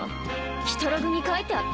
ヒトログに書いてあった？